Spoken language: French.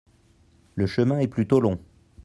Le chemin est plutôt long.